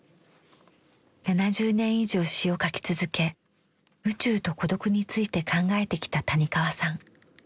７０年以上詩を書き続け宇宙と孤独について考えてきた谷川さん。